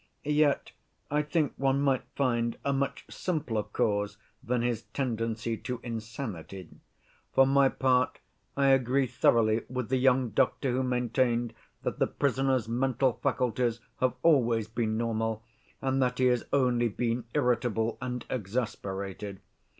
Yet I think one might find a much simpler cause than his tendency to insanity. For my part I agree thoroughly with the young doctor who maintained that the prisoner's mental faculties have always been normal, and that he has only been irritable and exasperated.